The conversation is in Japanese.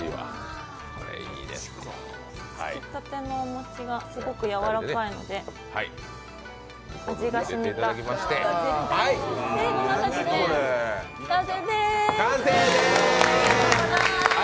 つきたてのお餅がすごくやわらかいので味がしみたごまをかけて完成です。